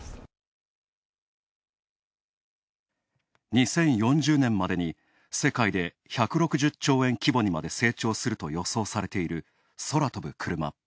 ２０４０年までに世界で１６０兆円規模にまで成長すると予想されている空飛ぶクルマ。